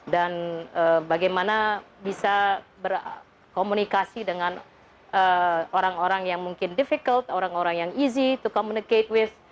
dan bagaimana bisa berkomunikasi dengan orang orang yang mungkin difficult orang orang yang easy to communicate with